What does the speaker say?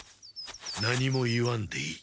何も言わんでいい。